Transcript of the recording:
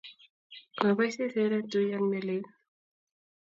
Kobai seset ne tui ak ne lel